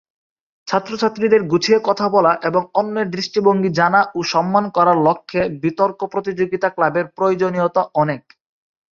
ছাত্র-ছাত্রীদের গুছিয়ে কথা বলা এবং অন্যের দৃষ্টিভঙ্গি জানা ও সম্মান করার লক্ষ্যে বিতর্ক প্রতিযোগিতা ক্লাবের প্রয়োজনীয়তা অনেক।